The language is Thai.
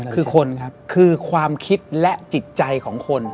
คือคนครับคือความคิดและจิตใจของคน